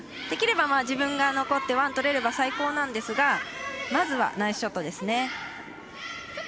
できれば自分が残ってワンとれれば最高なんですがまずはナイスショットですね。